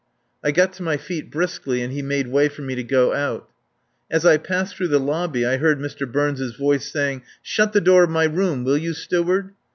I got to my feet briskly, and he made way for me to go out. As I passed through the lobby I heard Mr. Burns' voice saying: "Shut the door of my room, will you, steward?"